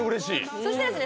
そしてですね